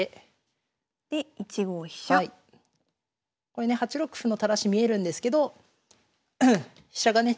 これね８六歩の垂らし見えるんですけど飛車がね